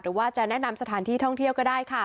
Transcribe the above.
หรือว่าจะแนะนำสถานที่ท่องเที่ยวก็ได้ค่ะ